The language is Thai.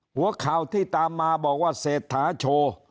หัวข่าวที่ตามมาบอกว่าเศรษฐาโชว์